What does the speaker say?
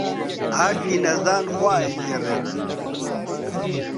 ئاشی نەزان خوا ئەیگێڕێت